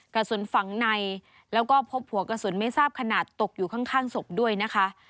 กระสุนฝังในแล้วก็พบหัวกระสุนไม่ทราบขนาดตกอยู่ข้างศพด้วยนะคะ